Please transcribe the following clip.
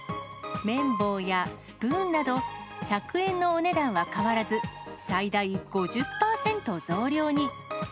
綿棒やスプーンなど、１００円のお値段は変わらず、最大５０％増量に。